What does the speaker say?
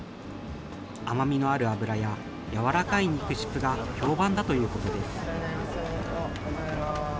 甘みのある脂や柔らかい肉質が評判だということです。